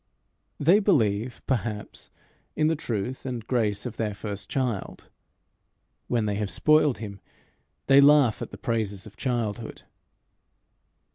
They believe, perhaps, in the truth and grace of their first child: when they have spoiled him, they laugh at the praises of childhood.